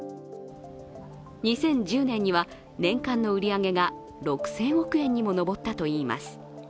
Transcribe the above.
２０１０年には年間の売り上げが６０００億円にも上ったといいます。